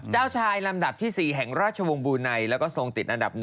เจ้าชายลำดับที่๔แห่งราชวงศ์บูไนแล้วก็ทรงติดอันดับ๑